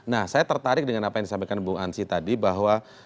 nah saya tertarik dengan apa yang disampaikan bung ansi tadi bahwa